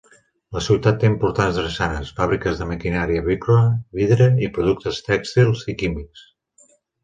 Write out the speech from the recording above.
La ciutat té importants drassanes, fàbriques de maquinària agrícola, vidre i productes tèxtils i químics.